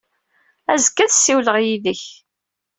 Azekka, ad ssiwleɣ yid-k.